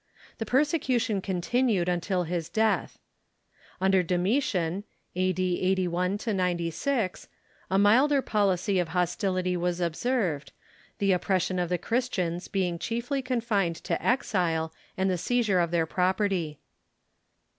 The persecution continued iintil his death. Under Domitian (a.d. 81 96) a milder policy of hostility was observed, the oppression of the Cliristians being chiefly confined to exile and the seizure of their property.